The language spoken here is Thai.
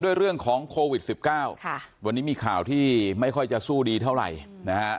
เรื่องของโควิด๑๙วันนี้มีข่าวที่ไม่ค่อยจะสู้ดีเท่าไหร่นะฮะ